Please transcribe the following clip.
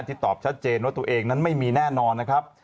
ตอบชัดเจนว่าตัวเองนั้นไม่มีแน่นอนนะครับ